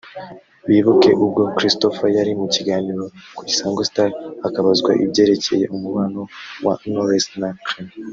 bibuke ubwo Christopher yari mu kiganiro ku Isango Star akabazwa ibyerekeye umubano wa Knowless na Clement